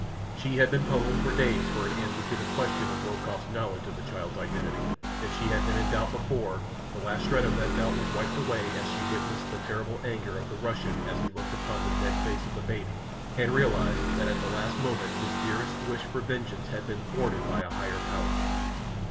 She had been puzzled for days for an answer to the question of Rokoff's knowledge of the child's identity. If she had been in doubt before the last shred of that doubt was wiped away as she witnessed the terrible anger of the Russian as he looked upon the dead face of the baby and realized that at the last moment his dearest wish for vengeance had been thwarted by a higher power.